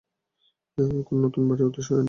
এবং এখন, নতুন বাড়ির উদ্দেশ্যে, তাইনা?